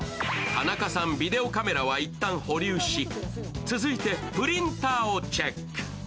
田中さん、ビデオカメラは一旦保留し続いてプリンターをチェック。